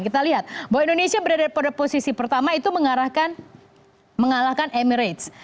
kita lihat bahwa indonesia berada pada posisi pertama itu mengalahkan emirates